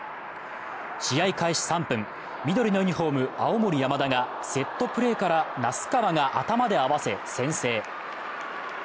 試合開始３分、緑のユニフォーム、青森山田がセットプレーから名須川が頭で合わせ先制。